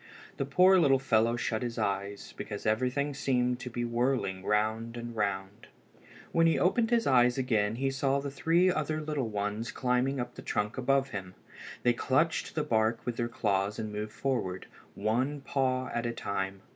The poor little fellow shut his eyes, because everything seemed to be whirling round and round. When he opened his eyes again he saw the three other little ones climbing up the trunk above him. They clutched the bark with their claws and moved forward, one paw at a time.